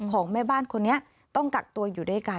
ของแม่บ้านคนนี้ต้องกักตัวอยู่ด้วยกัน